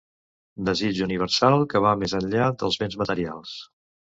Desig universal que va més enllà dels bens materials.